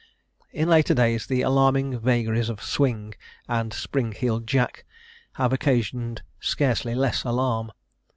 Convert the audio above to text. In later days, the alarming vagaries of "Swing," and "Spring heeled Jack," have occasioned scarcely less alarm.